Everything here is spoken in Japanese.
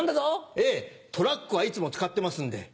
ええトラックはいつも使ってますんで。